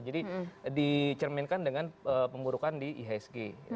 jadi dicerminkan dengan pemburukan di ihsg